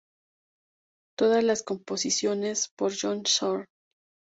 Todas las composiciones por John Zorn.